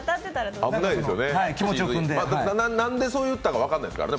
何でそう言ったか分からないですからね。